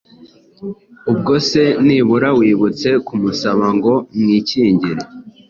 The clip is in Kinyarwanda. Ubwo se nibura wibutse kumusaba ngo mwikingire?